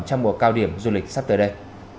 trong mùa cao điểm du lịch sắp tới đây